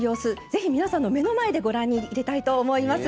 ぜひ皆さんの目の前でご覧いただきたいと思います。